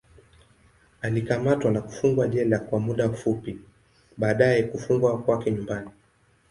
Alikamatwa na kufungwa jela kwa muda fupi, baadaye kufungwa kwake nyumbani.